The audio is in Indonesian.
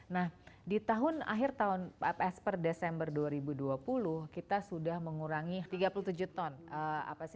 nah di tahun akhir tahun per desember dua ribu dua puluh kita sudah mengurangi tiga puluh tujuh ton